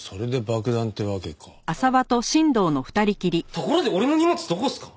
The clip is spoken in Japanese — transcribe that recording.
ところで俺の荷物どこっすか？